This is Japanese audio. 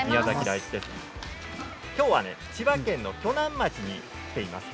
きょうは千葉県の鋸南町に来ています。